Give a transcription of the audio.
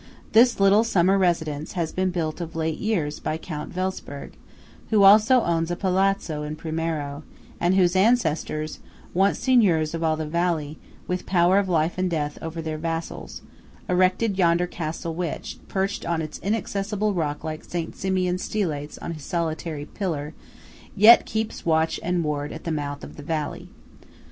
This little summer residence has been built of late years by Count Welsperg, who also owns a "palazzo" in Primiero, and whose ancestors (once seigneurs of all the valley, with power of life and death over their vassals) erected yonder castle which, perched on its inaccessible rock like St. Simeon Stylites on his solitary pillar, yet keeps watch and ward at the mouth of the valley.